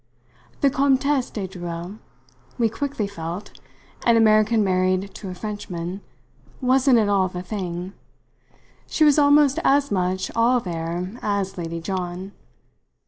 The Comtesse de Dreuil, we quickly felt an American married to a Frenchman wasn't at all the thing. She was almost as much "all there" as Lady John.